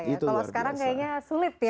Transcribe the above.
itu luar biasa ya